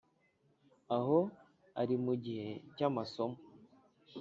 aho ari mu gihe cy’amasomo.